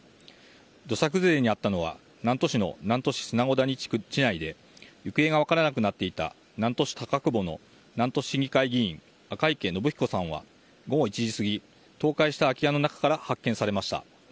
土砂崩れに遭ったのは南砺市で行方が分からなくなっていた南砺市高窪の南砺市議会議員赤池伸彦さんは午後１時過ぎ倒壊した空き家の中から発見されました。